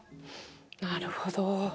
なるほど。